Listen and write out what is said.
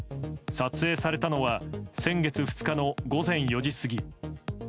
撮影されたのは先月２日の午前４時過ぎ。